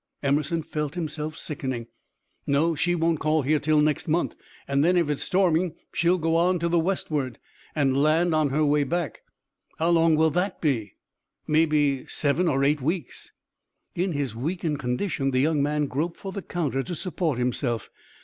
Emerson felt himself sickening. "No, she won't call here till next month; and then if it's storming she'll go on to the westward, and land on her way back." "How long will that be?" "Maybe seven or eight weeks." In his weakened condition the young man groped for the counter to support himself.